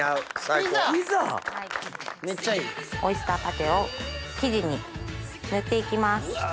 オイスターパテを生地に塗っていきます。